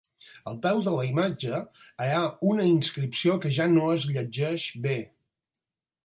Al peu de la imatge hi ha una inscripció que ja no es llegeix bé.